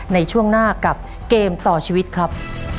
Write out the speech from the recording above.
ในช่วงหน้ากับเกมต่อชีวิตครับ